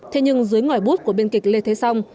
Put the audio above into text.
thế nhưng dưới ngòi bút của biên kịch lê thế song